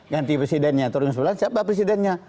ganti presidennya turun usulan siapa presidennya